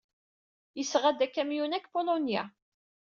Yesɣa-d akamyun-a seg Pulunya.